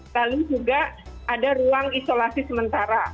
lalu juga ada ruang isolasi sementara